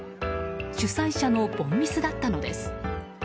主催者の凡ミスだったのです。